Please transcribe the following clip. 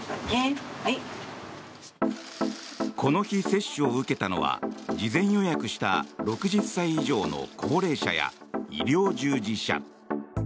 この日、接種を受けたのは事前予約した６０歳以上の高齢者や医療従事者。